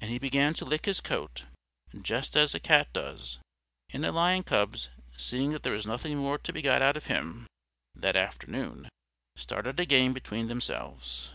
And he began to lick his coat, just as a cat does, and the Lion Cubs, seeing that there was nothing more to be got out of him, that afternoon, started a game between themselves.